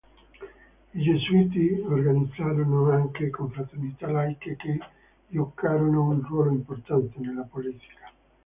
I gesuiti organizzarono anche confraternita laiche che giocarono un ruolo importante nella politica.